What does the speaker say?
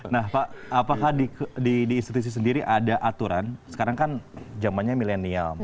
nah pak apakah di institusi sendiri ada aturan sekarang kan zamannya milenial